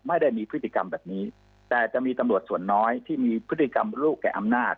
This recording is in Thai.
ไม่ได้มีพฤติกรรมแบบนี้แต่จะมีตำรวจส่วนน้อยที่มีพฤติกรรมลูกแก่อำนาจ